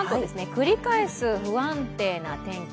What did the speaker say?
繰り返す不安定な天気。